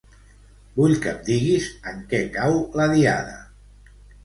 Vull que em diguis en què cau la Diada.